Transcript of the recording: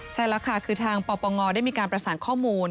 ใช่แล้วค่ะคือทางปปงได้มีการประสานข้อมูล